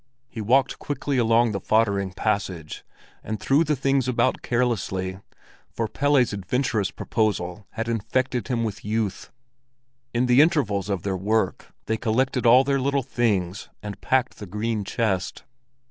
He walked quickly along the foddering passage, and threw the things about carelessly, for Pelle's adventurous proposal had infected him with youth. In the intervals of their work, they collected all their little things and packed the green chest.